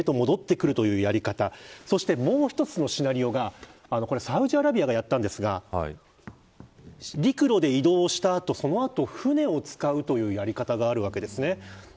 もう一つのシナリオがこれはサウジアラビアがやったんですが陸路で移動した後その後、船を使うというやり方があります。